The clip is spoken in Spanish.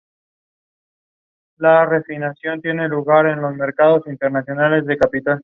Según la tradición, todo hinduista debe visitarla al menos una vez en la vida.